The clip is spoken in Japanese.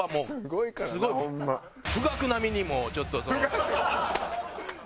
富岳並みにもうちょっとその。